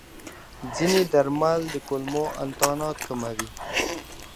ځینې درمل د کولمو انتانات کموي.